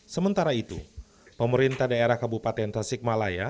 sementara itu pemerintah daerah kabupaten tasikmalaya